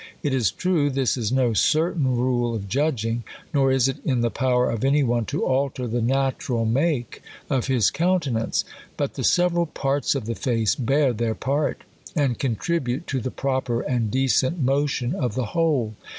It is true, this is no certain rule of judging ; nor is it in the power of any one to alter the natural make of his countenance. . But the several parts of the face bear their part, and contribute to the proper and decent motion of the whole.